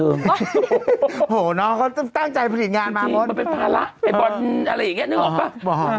เออพาลักษณ์โปรโมทการบันทึก